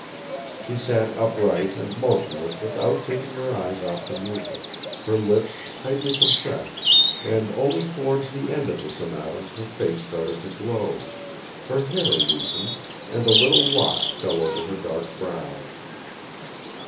She sat upright and motionless without taking her eyes off the music, her lips tightly compressed, and only towards the end of the sonata her face started to glow, her hair loosened and a little lock fell over her dark brow.